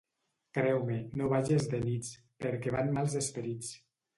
Creu-me, no vages de nits, perquè van mals esperits.